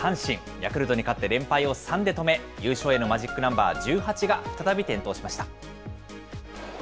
ヤクルトに勝って連敗を３で止め、優勝へのマジックナンバー１８が再び点灯しました。